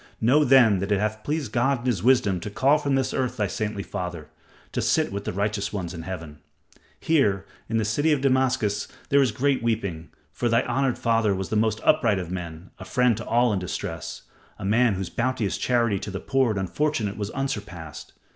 Know then that it hath pleased God in his wisdom to call from this earth thy saintly father, to sit with the righteous ones in Heaven. Here in the city of Damascus there is great weeping, for thy honored father was the most upright of men, a friend to all in distress, a man whose bounteous charity to the poor and unfortunate was unsurpassed.